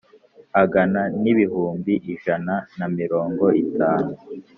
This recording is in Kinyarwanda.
angana n ibihumbi ijana na mirongo itanu